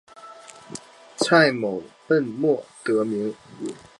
粟末靺鞨得名。